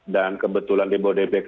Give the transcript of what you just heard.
dan kebetulan di bodebek saya mengamankan